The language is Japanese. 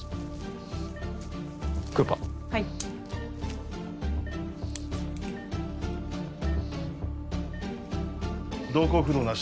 クーパーはい瞳孔不同なし